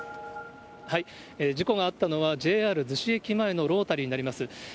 事故があったのは、ＪＲ逗子駅前のロータリーになります。